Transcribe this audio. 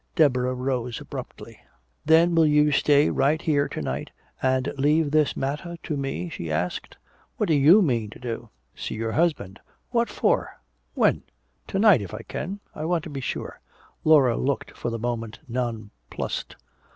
Deborah rose abruptly. "Then will you stay right here to night, and leave this matter to me?" she asked. "What do you mean to do?" "See your husband." "What for? When?" "To night, if I can. I want to be sure." Laura looked for the moment nonplussed.